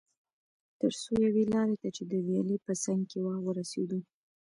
تر څو یوې لارې ته چې د ویالې په څنګ کې وه ورسېدو.